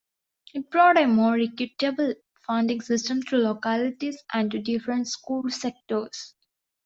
It brought a more equitable funding system to localities and to different school sectors.